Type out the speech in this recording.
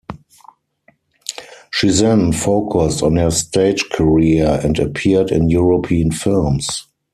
She then focused on her stage career and appeared in European films.